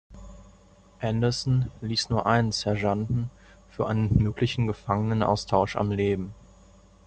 Anderson ließ nur einen Sergeanten für einen möglichen Gefangenenaustausch am Leben.